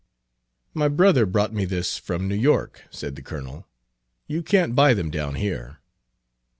"My brother brought me this from New York," said the Colonel. "You can't buy them down here."